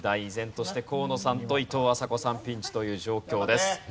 依然として河野さんといとうあさこさんピンチという状況です。